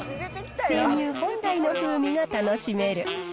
生乳本来の風味が楽しめる。